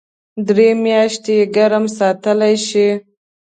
درې میاشتې ګرم ساتلی شي .